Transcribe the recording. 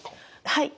はい。